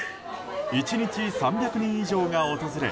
１日３００人以上が訪れ